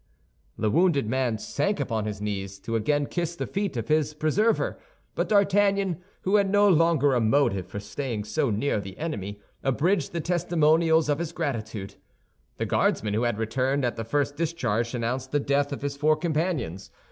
The wounded man sank upon his knees, to again kiss the feet of his preserver; but D'Artagnan, who had no longer a motive for staying so near the enemy, abridged the testimonials of his gratitude. The Guardsman who had returned at the first discharge announced the death of his four companions.